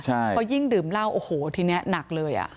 เพราะยิ่งดื่มเหล้าโอ้โหทีนี้หนักเลย